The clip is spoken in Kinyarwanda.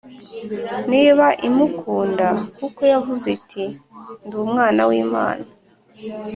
niba imukunda kuko yavuze ati, ndi umwana w’imana